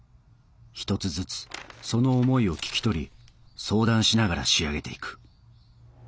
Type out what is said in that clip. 一つずつその思いを聞き取り相談しながら仕上げていく。